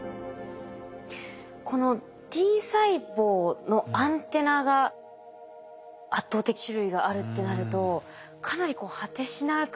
このＴ細胞のアンテナが圧倒的種類があるってなるとかなり果てしなく感じてしまいますね。